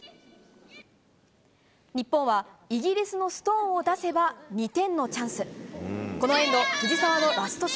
日本はイギリスのストーンを出せば２点のチャンス。